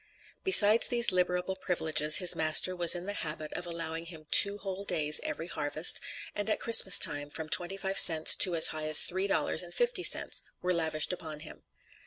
Besides these liberal privileges his master was in the habit of allowing him two whole days every harvest, and at Christmas from twenty five cents to as high as three dollars and fifty cents, were lavished upon him.